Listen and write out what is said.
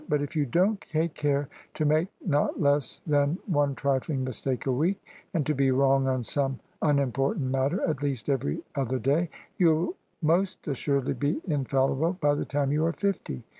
But if you don't take care to make not less than one trifling mistake a week, and to be wrong on some unim portant matter at least every other day, you'll most assuredly be infallible by the time you are fifty.